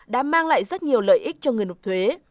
đã mang lại rất nhiều lợi ích cho người nộp thuế